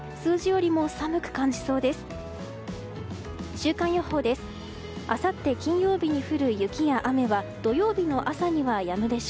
週間予報です。